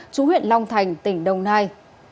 chú huyện long thành tỉnh đông nai